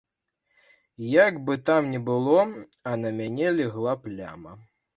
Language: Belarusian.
Як бы там не было, а на мяне легла пляма.